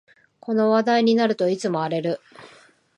この話題になるといつも荒れる